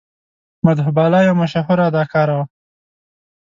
مدهو بالا یوه مشهوره اداکاره وه.